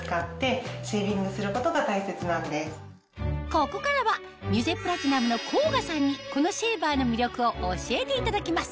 ここからはミュゼプラチナムの甲賀さんにこのシェーバーの魅力を教えていただきます